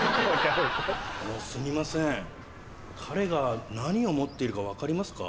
すみません彼が何を持っているか分かりますか？